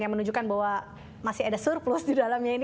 yang menunjukkan bahwa masih ada surplus di dalamnya ini